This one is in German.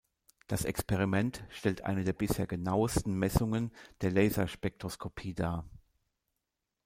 Das Experiment stellt eine der bisher genauesten Messungen der Laserspektroskopie dar.